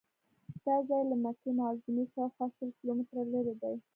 دا ځای له مکې معظمې شاوخوا شل کیلومتره لرې دی.